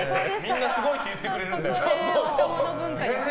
みんなすごいって言ってくれるんだよな。